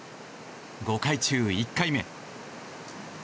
５回中１回目。